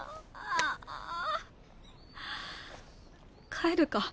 帰るか。